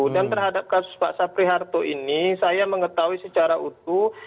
dan terhadap kasus pak sapri harto ini saya mengetahui secara utuh